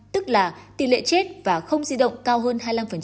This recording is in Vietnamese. tức là tỷ lệ chết và không di động cao hơn hai mươi năm